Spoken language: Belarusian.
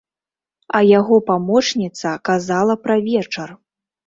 А яго памочніца казала пра вечар!